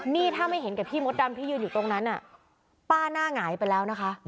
นี่ถ้าไม่เห็นกับพี่มดดำที่ยืนอยู่ตรงนั้นป้าหน้าหงายไปแล้วนะคะ